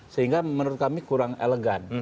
sehingga menurut kami kurang elegan